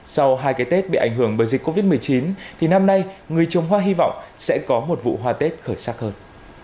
sau hai cái tết bị ảnh hưởng bởi dịch covid một mươi chín thì năm nay người trồng hoa hy vọng sẽ có một vụ hoa tết khởi sắc hơn